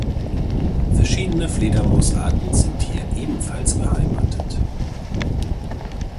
Verschiedene Fledermausarten sind hier ebenfalls beheimatet.